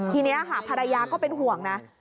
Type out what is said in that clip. ทีนี้ค่ะภรรยาก็เป็นห่วงนะ